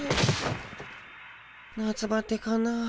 夏バテかな？